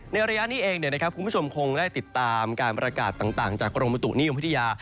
ระยะนี้เองคุณผู้ชมคงได้ติดตามการประกาศต่างจากกรมบุตุนิยมวิทยา